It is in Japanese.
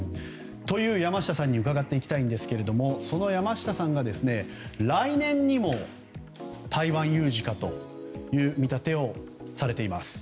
という山下さんに伺っていきたいんですがその山下さんが来年にも台湾有事かという見立てをされています。